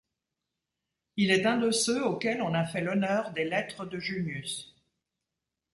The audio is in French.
Il est un de ceux auxquels on a fait l'honneur des Lettres de Junius.